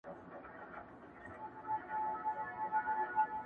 ستا د غېږي تر ساحله نه رسېږم ښه پوهېږم.